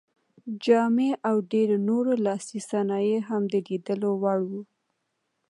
جامې او ډېر نور لاسي صنایع یې هم د لیدلو وړ وو.